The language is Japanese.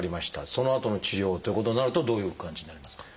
そのあとの治療っていうことになるとどういう感じになりますか？